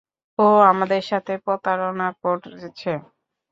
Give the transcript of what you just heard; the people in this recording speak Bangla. ও আমাদের সাথে প্রতারণা করেছে।